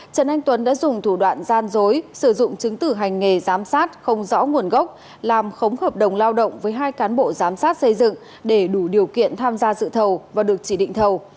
trần anh tuấn đã dùng thủ đoạn gian dối sử dụng chứng tử hành nghề giám sát không rõ nguồn gốc làm khống hợp đồng lao động với hai cán bộ giám sát xây dựng để đủ điều kiện tham gia dự thầu và được chỉ định thầu